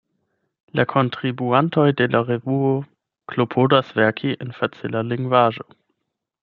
La kontribuantoj de la revuo klopodas verki en facila lingvaĵo.